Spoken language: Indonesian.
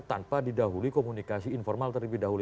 tanpa didahului komunikasi informal terlebih dahulu